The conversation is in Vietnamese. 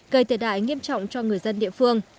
gây tiệt đại nghiêm trọng cho người dân địa phương